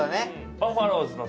バファローズの選手